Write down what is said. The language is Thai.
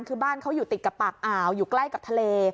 คือบ้านเขาอยู่ติดกับปากอ่าวอยู่ใกล้กับทะเล